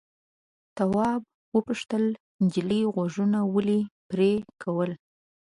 تواب وپوښتل نجلۍ غوږونه ولې پرې کول.